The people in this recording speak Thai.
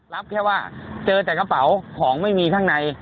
รับแค่ว่าเจอแต่กระเป๋าของไม่มีข้างใน